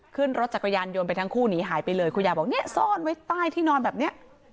ขึ้นรถจักรยานยนต์ไปทั้งคู่หนีหายไปเลยคุณยายบอกเนี่ยซ่อนไว้ใต้ที่นอนแบบเนี้ย